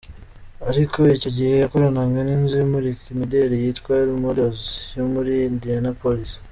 Ariko icyo gihe yakoranaga n’inzu imurika imideri yitwa “L Models” yo muri Indianapolis.